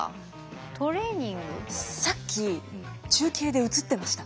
さっき中継で映ってました。